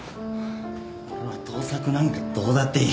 俺は盗作なんかどうだっていい。